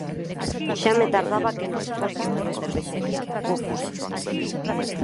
Xa me tardaba que nos fósemos da cervexería, puf.